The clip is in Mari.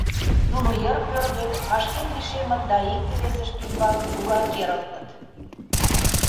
Нуно йыр пӧрдыт, вашкен лишемыт да икте-весышт ӱмбак тура керылтыт.